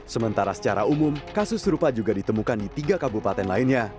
sementara secara umum kasus serupa juga ditemukan di tiga kabupaten lainnya